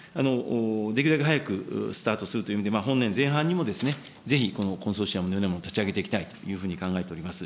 できるだけ早くスタートするという意味で、本年前半にもぜひこのコンソーシアムのようなものを立ち上げていきたいというふうに考えております。